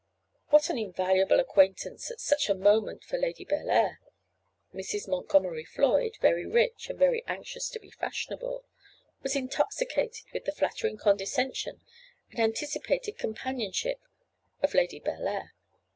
What an invaluable acquaintance at such a moment for Lady Bellair! Mrs. Montgomery Floyd, very rich and very anxious to be fashionable, was intoxicated with the flattering condescension and anticipated companionship of Lady Bellair.